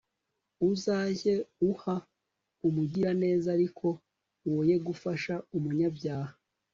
uzajye uha umugiraneza ariko woye gufasha umunyabyaha